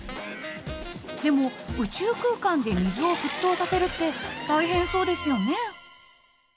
でも宇宙空間で水を沸騰させるって大変そうですよね？